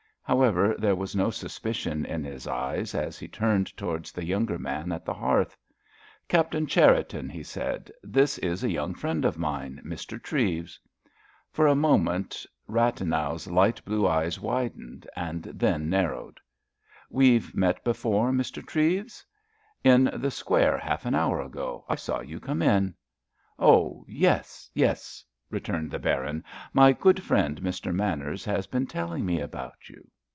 However, there was no suspicion in his eyes as he turned towards the younger man at the hearth. "Captain Cherriton," he said, "this is a young friend of mine, Mr. Treves." For a moment Rathenau's light blue eyes widened, and then narrowed. "We've met before, Mr. Treves?" "In the square, half an hour ago. I saw you come in." "Oh, yes, yes," returned the Baron. "My good friend, Mr. Manners, has been telling me about you."